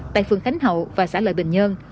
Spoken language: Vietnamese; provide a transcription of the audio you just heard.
tại phương khánh hậu và xã lợi bình nhơn